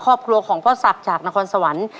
ครอบครัวของพ่อศักดิ์จากนครสวรรค์